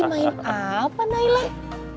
ini lagi main apa nailah